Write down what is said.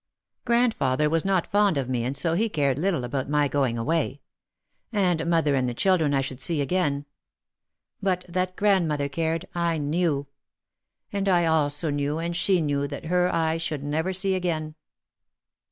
Grandfather was not fond of me and so he cared little about my going away. And mother and the children I should see again. But that grandmother cared I knew. And I also knew and she knew that her I should never see again.